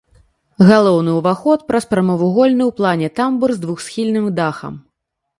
Галоўны ўваход праз прамавугольны ў плане тамбур з двухсхільным дахам.